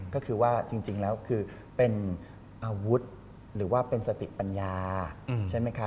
ก็คือว่าจริงแล้วคือเป็นอาวุธหรือว่าเป็นสติปัญญาใช่ไหมคะ